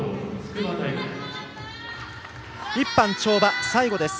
１班の跳馬、最後です。